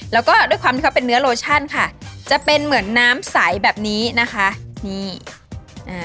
แล้วก็ด้วยความที่เขาเป็นเนื้อโลชั่นค่ะจะเป็นเหมือนน้ำใสแบบนี้นะคะนี่อ่า